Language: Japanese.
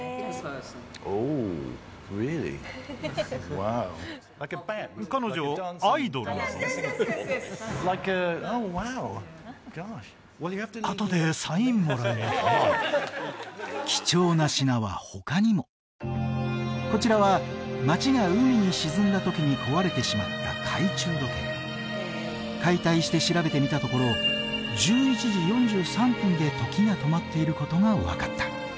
ワオ・イエスイエスイエスイエスオオワオ貴重な品は他にもこちらは街が海に沈んだ時に壊れてしまった懐中時計解体して調べてみたところ１１時４３分で時が止まっていることが分かった